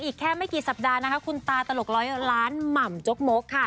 อีกแค่ไม่กี่สัปดาห์นะคะคุณตาตลกร้อยล้านหม่ำจกมกค่ะ